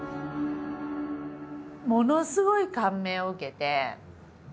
ものすごい感銘を受けて。